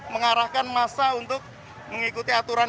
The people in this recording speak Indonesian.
mengarahkan masa untuk mengikuti aturan